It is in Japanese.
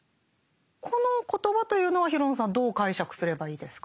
この言葉というのは廣野さんどう解釈すればいいですか？